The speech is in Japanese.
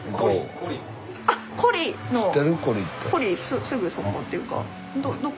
古里すぐそこっていうか。